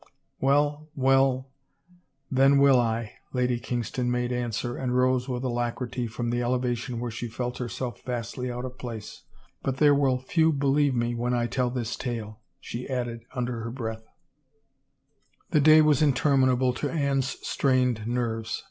"Well, well ... then will I," Lady Kingston made answer and rose with alacrity from the elevation where she felt herself vastly out of place, " but there will few believe me when I tell this tale," she* added under her breath. 382 THE NUMBERED HOURS The day was interminable to Anne's strained nerves.